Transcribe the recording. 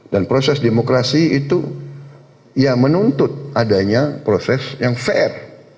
dan proses demokrasi itu menuntut adanya proses yang fair